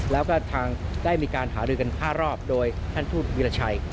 แล้วก็ทางได้มีการหารือกัน๕รอบโดยท่านทูตวิราชัย